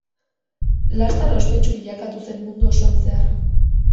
Laster ospetsu bilakatu zen mundu osoan zehar.